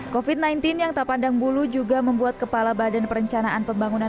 covid sembilan belas yang tak pandang bulu juga membuat kepala badan perencanaan pembangunan